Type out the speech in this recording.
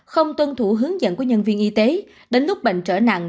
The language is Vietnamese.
không tuân thủ hướng dẫn của nhân viên y tế đến lúc bệnh trở nặng